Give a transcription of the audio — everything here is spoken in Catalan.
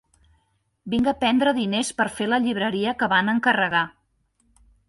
Vinc a prendre diners per fer la llibreria que van encarregar.